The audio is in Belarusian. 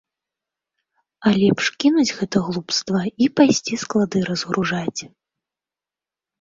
А лепш кінуць гэта глупства і пайсці склады разгружаць.